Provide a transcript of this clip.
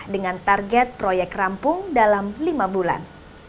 dengan target proyek rampung dalam lima bulan